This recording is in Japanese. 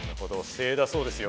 精鋭だそうですよ